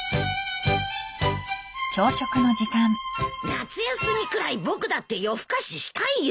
夏休みくらい僕だって夜更かししたいよ。